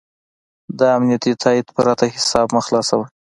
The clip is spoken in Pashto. د امنیتي تایید پرته حساب مه خلاصوه.